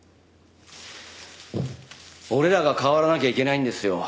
俺らが変わらなきゃいけないんですよ。